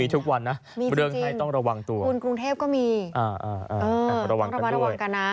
ทุกวันนะเรื่องให้ต้องระวังตัวคุณกรุงเทพก็มีต้องระมัดระวังกันนะ